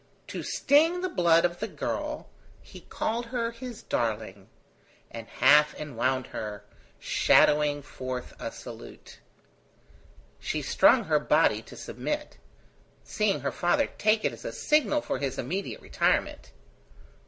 To sting the blood of the girl, he called her his darling, and half enwound her, shadowing forth a salute. She strung her body to submit, seeing her father take it as a signal for his immediate retirement.